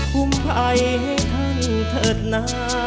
ภูมิใจให้ท่านเถิดนะ